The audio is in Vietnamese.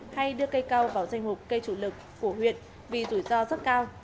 hay đưa cây cao vào danh mục cây chủ lực của huyện vì rủi ro rất cao